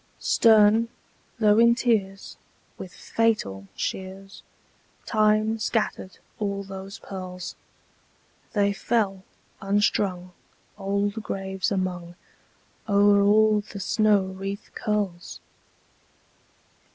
Stern, though in tears, with Fatal shears, Time scattered all those pearls! They fell, unstrung, old graves among; O'er all the snow wreath curls!